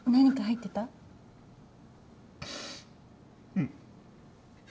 うん。